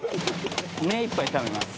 目いっぱいためます。